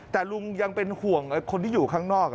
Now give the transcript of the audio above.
แต่ลุงยังเป็นห่วงคนที่อยู่ข้างนอก